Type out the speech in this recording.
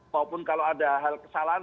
maupun kalau ada hal kesalahan